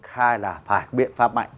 hai là biện pháp mạnh